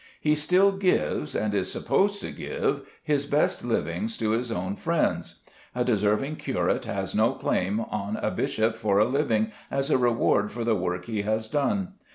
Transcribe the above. He still gives, and is supposed to give, his best livings to his own friends. A deserving curate has no claim on a bishop for a living as a reward for the work he has done.